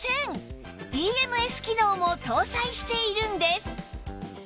ＥＭＳ 機能も搭載しているんです